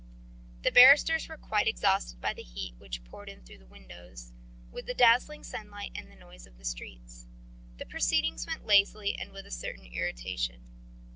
The barristers were quite exhausted by the heat which poured in through the windows, with the dazzling sunlight and the noise of the streets. The proceedings went lazily and with a certain irritation.